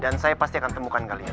dan saya pasti akan temukan kalian